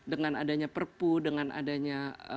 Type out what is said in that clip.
dengan adanya perpu dengan adanya